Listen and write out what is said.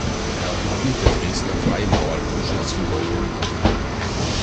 Er war Mitglied der Dresdner Freimaurerloge "Zum goldenen Apfel".